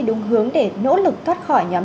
đúng hướng để nỗ lực thoát khỏi nhóm